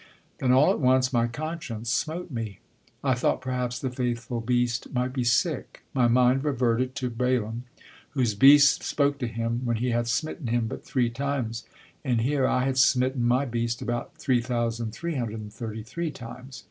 Then all at once my conscience smote me. I thought perhaps the faithful beast might be sick. My mind reverted to Balaam, whose beast spoke to him when he had smitten him but three times and here I had smitten my beast about 3,333 times.